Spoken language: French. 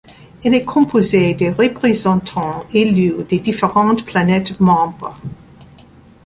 Elle est composée des représentants élus des différentes planètes membres.